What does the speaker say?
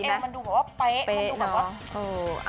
มันดูแบบว่าเป๊ะ